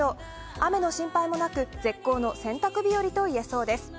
雨の心配もなく絶好の洗濯日和といえそうです。